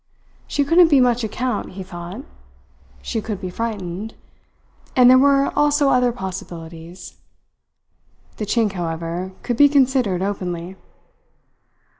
She couldn't be much account, he thought. She could be frightened. And there were also other possibilities. The Chink, however, could be considered openly.